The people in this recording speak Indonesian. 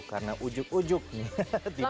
karena ujuk ujuknya tiba tiba